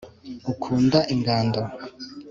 ukunda ingando